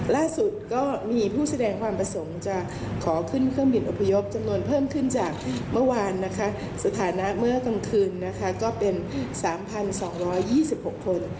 ล่าสุดก็มีผู้แสดงความประสงค์จะขอขึ้นเครื่องบินอพยพจำนวนเพิ่มขึ้นจากเมื่อวานนะคะสถานะเมื่อกลางคืนนะคะก็เป็น๓๒๒๖คน